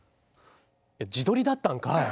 えっ自撮りだったんかい。